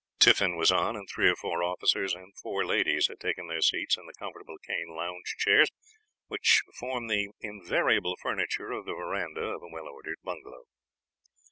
Tiffin was on, and three or four officers and four ladies had taken their seats in the comfortable cane lounging chairs which form the invariable furniture of the veranda of a well ordered bungalow.